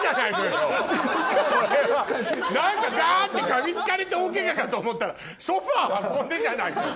何かガって噛みつかれて大ケガかと思ったらソファ運んでじゃないのよ